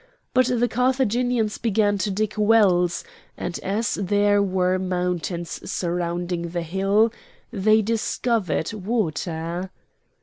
But the Carthaginians began to dig wells, and as there were mountains surrounding the hill, they discovered water.